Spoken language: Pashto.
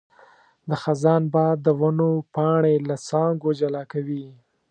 د خزان باد د ونو پاڼې له څانګو جلا کوي.